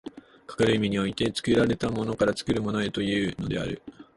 かかる意味において、作られたものから作るものへというのである。